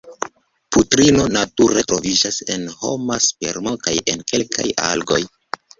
Putrino nature troviĝas en homa spermo kaj en kelkaj algoj.